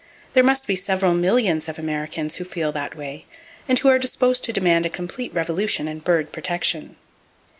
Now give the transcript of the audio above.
There must be several millions of Americans who feel that way, and who are disposed to demand a complete revolution in bird protection.